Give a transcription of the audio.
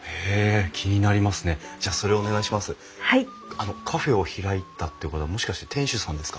あのカフェを開いたってことはもしかして店主さんですか？